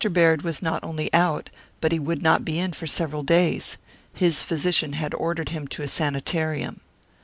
Baird was not only out, but he would not be in for several days. His physician had ordered him to a sanitarium.